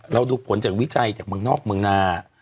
ดูผลจากวิจัยจากเมืองนอกเมืองนา